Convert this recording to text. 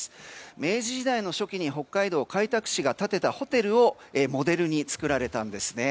明治時代の初期に北海道開拓使が建てたホテルをモデルに作られたんですね。